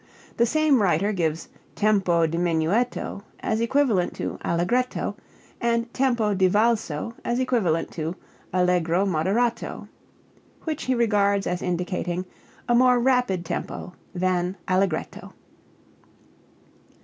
The same writer gives tempo di menuetto as equivalent to allegretto, and tempo di valso as equivalent to allegro moderato (which he regards as indicating a more rapid tempo than allegretto).